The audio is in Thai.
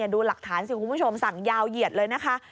ดูหลักฐานสิคุณผู้ชมสั่งยาวเหยียดเลยนะคะ